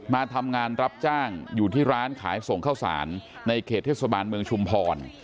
มาทำงานรับจ้างอยู่ที่ร้านขายส่งข้าวสารในเขตเทศบาลเมืองชุมพร